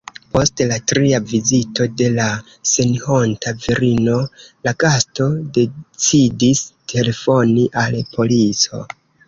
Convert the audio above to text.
Post la tria vizito de la senhonta virino la gasto decidis telefoni al polico.